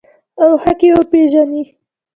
او حق یې وپیژني.